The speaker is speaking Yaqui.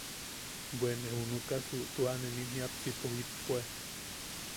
Bwe ne junukasu tua nim jiapsipo jippue.